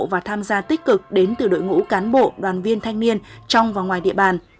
và tham gia tích cực đến từ đội ngũ cán bộ đoàn viên thanh niên trong và ngoài địa bàn